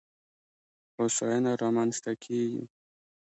هوساینه رامنځته کېږي.